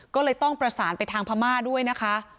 ก็เลยต้องประสานไปทางพม่าด้วยนะคะ